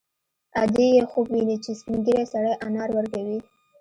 ادې یې خوب ویني چې سپین ږیری سړی انار ورکوي